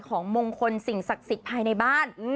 ของมงคลสิ่งศักขิจภายในบ้าน